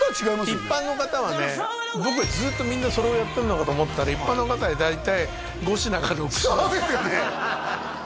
一般の方はね僕はずっとみんなそれをやってるのかと思ったら一般の方で大体五品か六品そうですよね